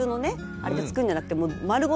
あれで作るんじゃなくてもう丸ごと